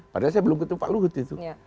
padahal saya belum ketemu pak luhut itu